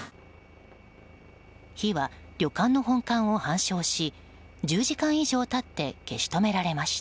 火は旅館の本館を半焼し１０時間以上経って消し止められました。